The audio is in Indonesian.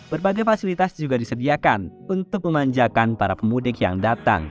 berbagai fasilitas juga disediakan untuk memanjakan para pemudik yang datang